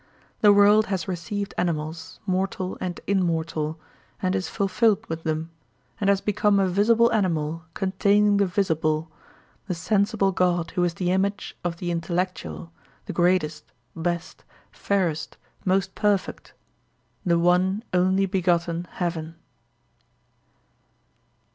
The world has received animals, mortal and immortal, and is fulfilled with them, and has become a visible animal containing the visible—the sensible God who is the image of the intellectual, the greatest, best, fairest, most perfect—the one only begotten heaven.